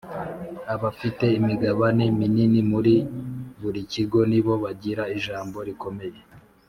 Abafite imigabane minini muri buri kigo ni bo bagira ijambo rikomeye